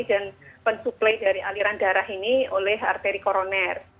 dan pensuplai dari aliran darah ini oleh arteri koroner